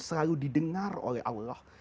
selalu didengar oleh allah